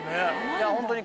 いやホントに。